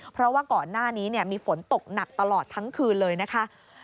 เพราะว่าก่อนหน้านี้มีฝนตกหนักตลอดทั้งคืนเลยนะคะ